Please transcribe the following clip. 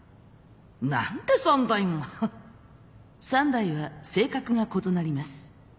３台は性格が異なります。